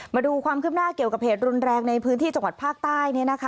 มาดูความคืบหน้าเกี่ยวกับเหตุรุนแรงในพื้นที่จังหวัดภาคใต้